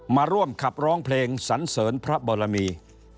มาร่วมขับร้องเพลงสันเสริญพระบรมี